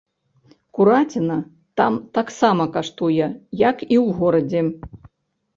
Кураціна там таксама каштуе, як і ў горадзе.